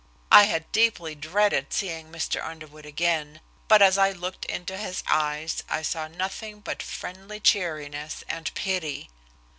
I had deeply dreaded seeing Mr. Underwood again, but as I looked into his eyes I saw nothing but friendly cheeriness and pity.